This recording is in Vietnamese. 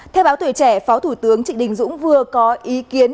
theo báo tuổi trẻ phó thủ tướng trịnh đình dũng vừa có ý kiến